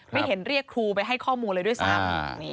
ไม่เห็นเรียกครูไปให้ข้อมูลเลยด้วยซ้ำ